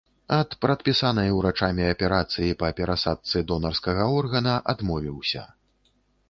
Ад прадпісанай урачамі аперацыі па перасадцы донарскага органа адмовіўся.